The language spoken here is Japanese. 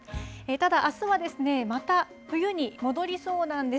ただ、あすはですね、また冬に戻りそうなんです。